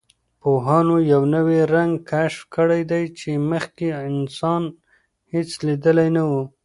پوهانو یوه نوی رنګ کشف کړی دی چې مخکې انسان هېڅ لیدلی نه و.